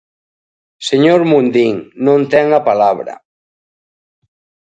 Señor Mundín, non ten a palabra.